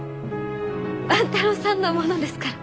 万太郎さんのものですから。